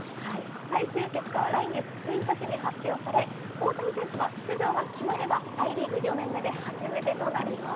最終結果は来月１日に発表され、大谷選手は出場が決まれば、大リーグ４年目で初めてとなります。